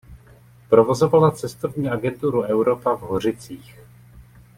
Provozovala cestovní agenturu Europa v Hořicích.